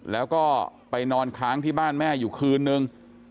แล้วก็ไปนอนค้างที่บ้านแม่อยู่คืนนึง